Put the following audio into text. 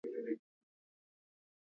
د ژبي هره هڅه د راتلونکې پانګه ده.